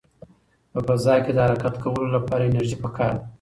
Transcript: په فضا کې د حرکت کولو لپاره انرژي پکار ده.